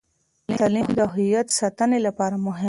تعلیم د هویتي ساتنې لپاره مهم دی.